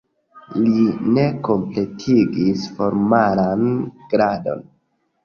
Li ne kompletigis formalan gradon.